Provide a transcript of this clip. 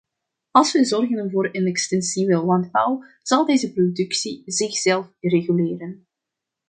Als we zorgen voor een extensieve landbouw, zal deze productie zichzelf reguleren.